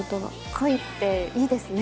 恋っていいですね。